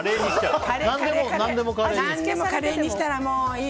何でもカレーにしたらいい。